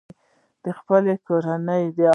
خپلې کورنۍ ته حلال رزق ګټل عبادت دی.